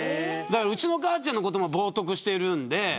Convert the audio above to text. うちの母ちゃんのことも冒涜しているんで。